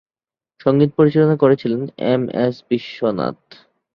সঙ্গীত পরিচালনা করেছিলেন এম এস বিশ্বনাথ।